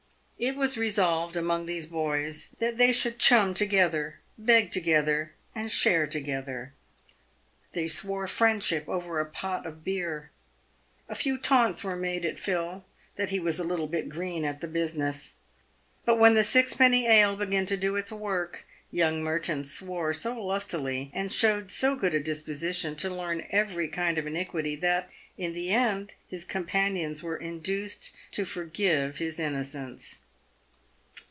It was resolved among these boys that they should " chum*' to gether, beg together, and share together. They swore friendship over a pot of beer. A few taunts were made at Phil that he was a little bit green at the business. But when the sixpenny ale began to do its work, young Merton swore so lustily, and showed so good a disposition to learn every kind of iniquity, that, in the end, his com panions were induced to forgive his innocence.